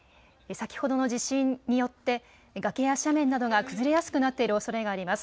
先ほどの地震によって崖や斜面などが崩れやすくなっているおそれがあります。